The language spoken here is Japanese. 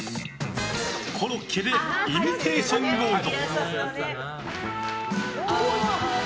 コロッケで「イミテイション・ゴールド」。